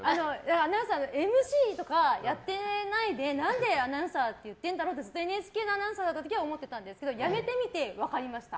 アナウンサーＭＣとかやってないで何でアナウンサーって言ってるんだろうってずっとＮＨＫのアナウンサーだった時は思ってたんですけど辞めてみて、分かりました。